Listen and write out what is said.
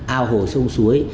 ao hồ sông suối